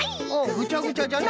「ぐちゃぐちゃ」じゃな。